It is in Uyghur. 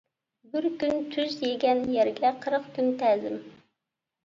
بىر كۈن تۇز يېگەن يەرگە قىرىق كۈن تەزىم.